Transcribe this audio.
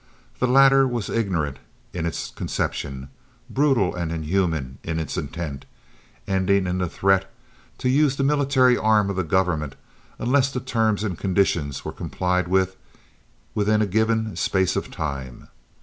The latter was ignorant in its conception, brutal and inhuman in its intent, ending in the threat to use the military arm of the government, unless the terms and conditions were complied with within a given space of time.